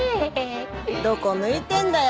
どこ向いてんだよ！